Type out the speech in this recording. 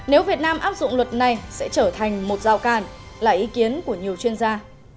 nếu việt nam áp dụng luật này sẽ trở thành một rào càn là ý kiến của nhiều chuyên gia